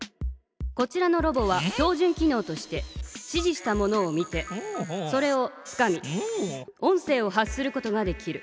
こちらのロボは標じゅん機のうとして指じしたものを見てそれをつかみ音声を発することができる。